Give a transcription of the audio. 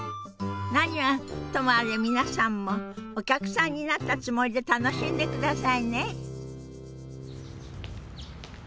何はともあれ皆さんもお客さんになったつもりで楽しんでくださいね。